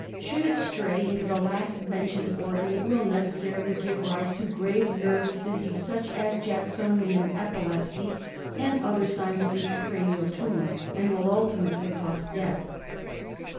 Should it stray into the last mentioned organ, it will necessarily give rise to grave nervous disease — such as Jacksonian epilepsy and other signs of intracraneal tumour, and will ultimately cause death.